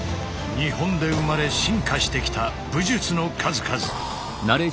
日本で生まれ進化してきた「武術」の数々。